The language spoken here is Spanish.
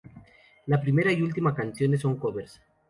La primera y última canciones son covers.